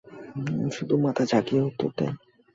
শুধু মাথা ঝাঁকিয়ে উওর দে।